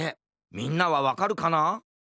みんなはわかるかな？